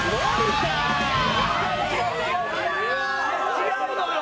違うのよ！